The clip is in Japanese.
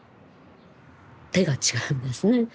手が違うんですね。